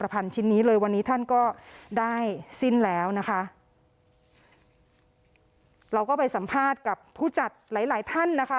เราก็ไปสัมภาษณ์กับผู้จัดหลายหลายท่านนะคะ